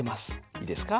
いいですか？